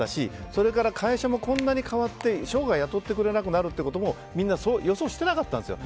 それから会社もこんなに変わって生涯雇ってくれなくなるということもみんな予想していなかったんですよ。